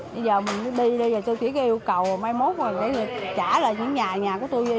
bây giờ mình đi tôi chỉ yêu cầu mai mốt trả lại những nhà nhà của tôi như vậy